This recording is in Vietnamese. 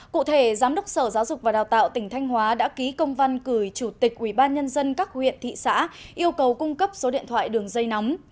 cụ thể giám đốc sở giáo dục và đào tạo tỉnh thanh hóa đã ký công văn gửi chủ tịch ubnd các huyện thị xã yêu cầu cung cấp số điện thoại đường dây nóng